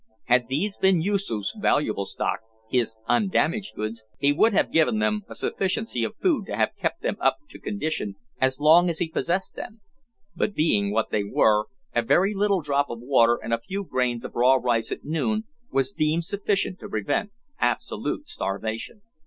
Had these been Yoosoof's valuable stock, his undamaged goods, he would have given them a sufficiency of food to have kept them up to condition as long as he possessed them; but being what they were, a very little drop of water and a few grains of raw rice at noon was deemed sufficient to prevent absolute starvation.